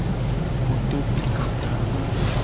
Kotoku ka takpo.